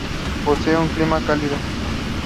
He was educated there at the Free Church School.